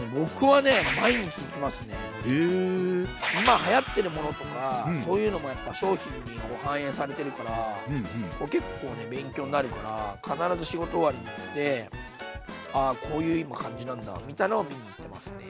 今流行ってるものとかそういうのもやっぱ商品に反映されてるから結構ね勉強になるから必ず仕事終わりに行ってあこういう今感じなんだみたいのを見に行ってますね。